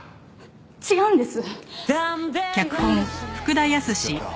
違うんです！